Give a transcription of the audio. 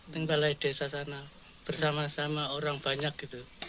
tinggal di desa sana bersama sama orang banyak gitu